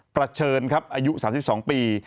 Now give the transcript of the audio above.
ประเฉินครับอายุ๓๒ปี